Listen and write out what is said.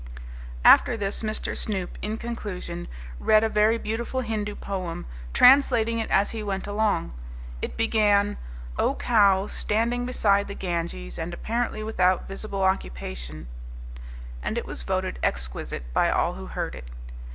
After this Mr. Snoop, in conclusion, read a very beautiful Hindu poem, translating it as he went along. It began, "O cow, standing beside the Ganges, and apparently without visible occupation," and it was voted exquisite by all who heard it.